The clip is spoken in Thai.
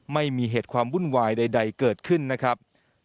ไม่มีเหตุความวุ่นวายใดเกิดขึ้นนะครับ